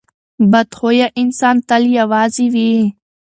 بد خویه انسان تل یوازې وي.